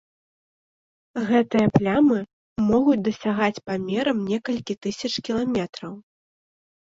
Гэтыя плямы могуць дасягаць памерам некалькіх тысяч кіламетраў.